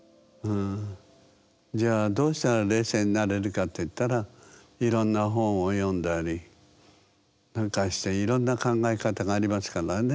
じゃあどうしたら冷静になれるかっていったらいろんな本を読んだりなんかしていろんな考え方がありますからねえ